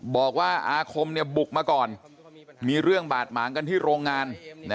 บอกว่าอาคมบุกมาก่อนมีเรื่องบาดหมางกันที่โรงงาน